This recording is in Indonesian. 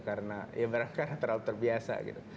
karena mereka terlalu terbiasa gitu